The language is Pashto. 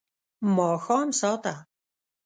ماښام ساه ته